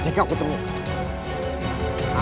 jika aku menentukan apa